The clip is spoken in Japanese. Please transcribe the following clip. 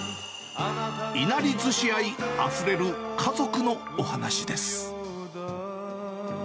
いなりずし愛あふれる家族のお話です。